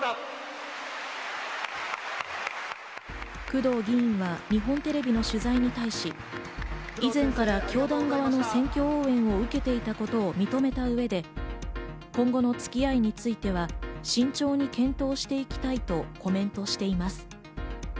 工藤議員は日本テレビの取材に対し、以前から教団側の選挙応援を受けていたことを認めた上で今後のつき合いについては、慎重に検討していきたいとコメントしています。